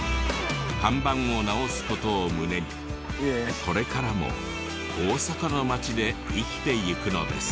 看板を直す事を胸にこれからも大阪の街で生きていくのです。